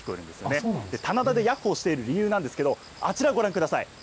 棚田でヤッホーしている理由なんですけれども、あちらご覧ください。